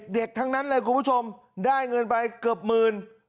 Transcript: ทั้งนั้นเลยคุณผู้ชมได้เงินไปเกือบหมื่น